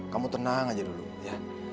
kamu tenang aja dulu ya